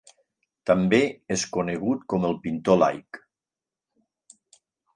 També és conegut com el pintor laic.